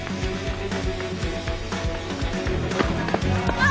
ああ！